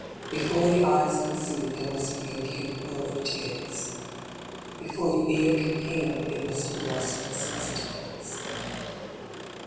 Before the eyes can see, they must be incapable of tears. Before the ear can hear, it must have lost its sensitiveness.